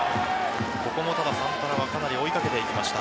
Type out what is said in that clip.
ここもただサンタナはかなり追いかけていきました。